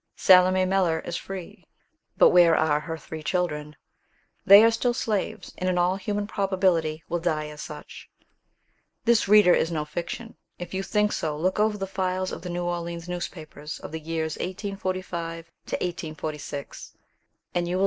Salome Miller is free, but where are her three children? They are still slaves, and in all human probability will die as such. This, reader, is no fiction; if you think so, look over the files of the New Orleans newspapers of the years 1845 6, and you will there see reports of the trial.